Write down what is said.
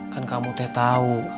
kan kamu tidak tahu